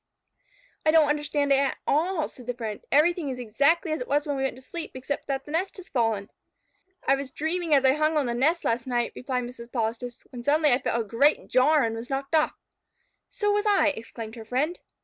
"I don't understand it at all," said the friend. "Everything is exactly as it was when we went to sleep, except that the nest has fallen." "I was dreaming as I hung on the nest last night," replied Mrs. Polistes, "when suddenly I felt a great jar and was knocked off." "So was I," exclaimed her friend.